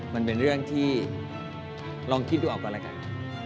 มันเป็นเรื่องที่ลองคิดดูเอาก่อนแล้วกัน